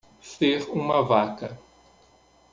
Ser uma vaca